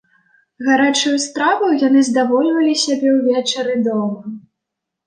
Гарачаю страваю яны здавольвалі сябе ўвечары дома.